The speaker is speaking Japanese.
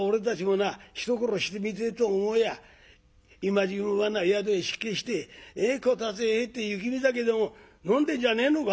今時分はな宿へ失敬してこたつへ入って雪見酒でも飲んでんじゃねえのか？」。